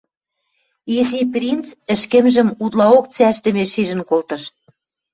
Изи принц ӹшкӹмжӹм утлаок цӓшдӹмеш шижӹн колтыш.